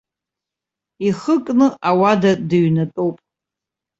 Ихы кны ауада дыҩнатәоуп.